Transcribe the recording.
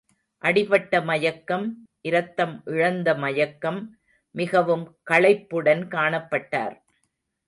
அடிபட்ட மயக்கம், இரத்தம் இழந்த மயக்கம் மிகவும் களைப்புடன் காணப்பட்டார்.